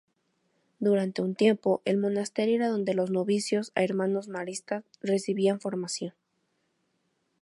Durante un tiempo, el monasterio era dónde los novicios a Hermanos Maristas recibían formación.